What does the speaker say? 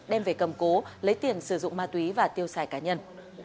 đem về cầm cố lấy tiền sử dụng ma túy và tiêu xài cá nhân